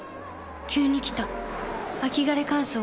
急に来た秋枯れ乾燥。